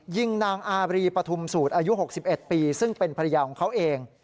ยิงนางอารีปฐุมสูตรอายุ๖๑ปีซึ่งเป็นภรรยาของเขาเอง